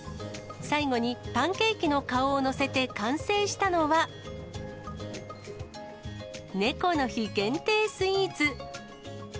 最後にパンケーキの顔を載せて完成したのは、猫の日限定スイーツ。